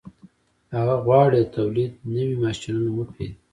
هغه غواړي د تولید نوي ماشینونه وپېري